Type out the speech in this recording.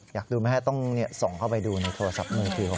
อยากดูไหมฮะต้องส่องเข้าไปดูในโทรศัพท์มือถือ